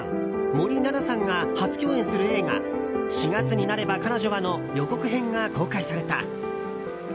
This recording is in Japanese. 森七菜さんが初共演する映画「四月になれば彼女は」の予告編が公開された。